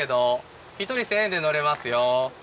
１人１，０００円で乗れますよ。